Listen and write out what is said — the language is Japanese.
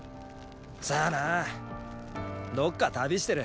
さァなどっか旅してる。